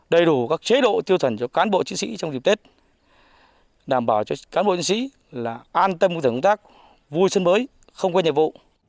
đầy đủ các chế độ tiêu thần cho cán bộ chính sĩ trong dịp tết đảm bảo cho cán bộ chính sĩ là an tâm với tầng công tác vui xuân mới không quên nhiệm vụ